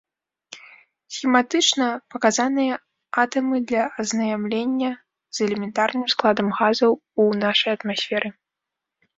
Схематычна паказаныя атамы для азнаямлення з элементарным складам газаў у нашай атмасферы.